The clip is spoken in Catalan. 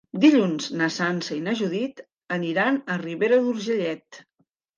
Dilluns na Sança i na Judit aniran a Ribera d'Urgellet.